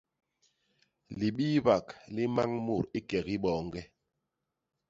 Libiibak li mañ mut i kegi boñge.